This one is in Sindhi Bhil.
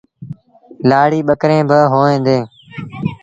لآڙيٚ ٻڪريݩ با هوئين ديٚݩ ۔